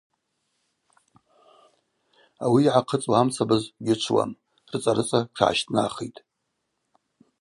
Ауи йгӏахъыцӏуа амцабыз гьычвуам, рыцӏа-рыцӏа тшгӏащтӏнахитӏ.